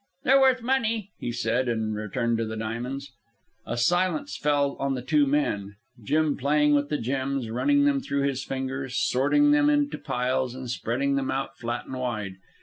"They're worth money," he said, and returned to the diamonds. A silence fell on the two men. Jim played with the gems, running them through his fingers, sorting them into piles, and spreading them out flat and wide.